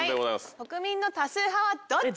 国民の多数派はどっち？